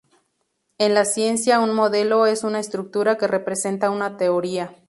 En la ciencia, un modelo es una estructura que representa una teoría.